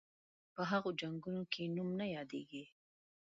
په هغو جنګونو کې نوم نه یادیږي.